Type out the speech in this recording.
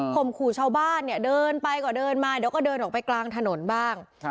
มขู่ชาวบ้านเนี่ยเดินไปก็เดินมาเดี๋ยวก็เดินออกไปกลางถนนบ้าง